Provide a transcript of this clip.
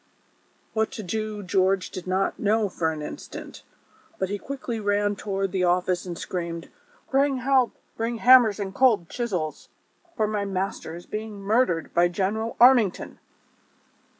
" "What to do George did not know for an instant ; but he quickly ran toward the office and screamed :" Bring help ; bring hammers and cold chisels, for my master is being murdered by General Armington